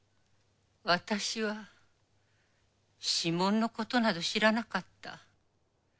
私は指紋のことなど知らなかった。